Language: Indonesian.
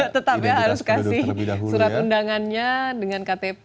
tetap ya harus kasih surat undangannya dengan ktp